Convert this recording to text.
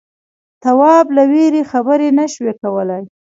تواب له وېرې خبرې نه شوې کولای.